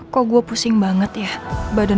kok gue pusing banget ya badan